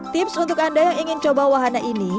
tips untuk anda yang ingin coba wahana ini